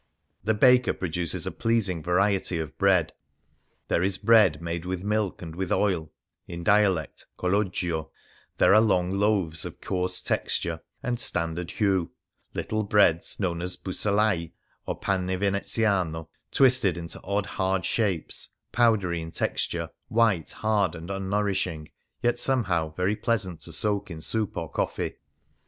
The baker produces a pleasing varietv of bread. There is bread made with milk and with oil (in dialect col ogio) ; there are long loaves of coarse texture and " standard "" hue ; little breads known as husolai or pane veneziano^ twisted into odd hard shapes, 135 Things Seen in Venice powdery in texture, white, hard, and unnourish' ing, yet somehow very pleasant to soak in soup or coffee.